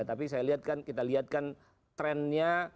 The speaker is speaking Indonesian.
tapi saya lihat kan kita lihatkan trennya